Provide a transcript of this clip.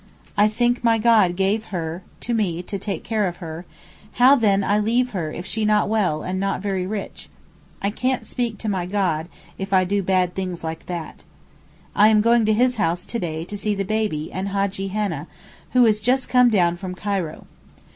'I think my God give her to me to take care of her, how then I leave her if she not well and not very rich? I can't speak to my God if I do bad things like that.' I am going to his house to day to see the baby and Hajjee Hannah, who is just come down from Cairo.